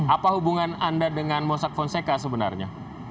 apa hubungan anda dengan mosak fonseca sebenarnya